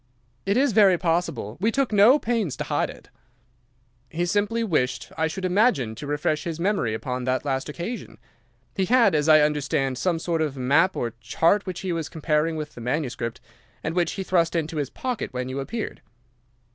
"'It is very possible. We took no pains to hide it.' "'He simply wished, I should imagine, to refresh his memory upon that last occasion. He had, as I understand, some sort of map or chart which he was comparing with the manuscript, and which he thrust into his pocket when you appeared.